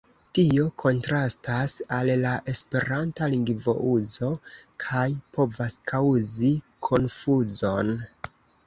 Tio kontrastas al la esperanta lingvouzo kaj povas kaŭzi konfuzon.